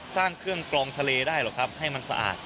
สร้างเครื่องกลองทะเลได้หรอกครับให้มันสะอาด